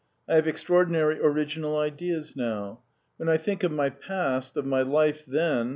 I have extraordinary, original ideas now. When I think of my past, of my life then